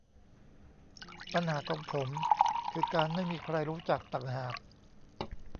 ปัญหาของผมคือการไม่มีใครรู้จักต่างหาก